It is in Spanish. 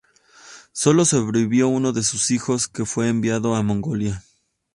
Sólo sobrevivió uno de sus hijos, que fue enviado a Mongolia.